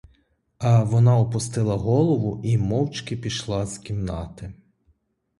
А вона опустила голову і мовчки пішла з кімнати.